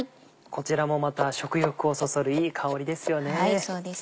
こちらもまた食欲をそそるいい香りですよね。